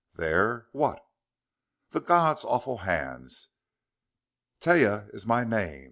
"There what?" "The God's awful hands!... Taia is my name.